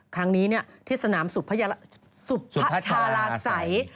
ครั้งนี้เนี่ยทศนามสุภชาลาศรรย์